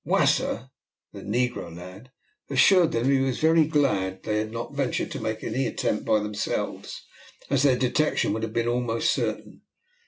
Wasser, the negro lad, assured them that he was very glad they had not ventured to make the attempt by themselves, as their detection would have been almost certain.